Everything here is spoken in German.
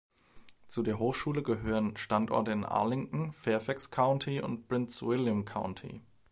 Zu der Hochschule gehören Standorte in Arlington, Fairfax County und Prince William County.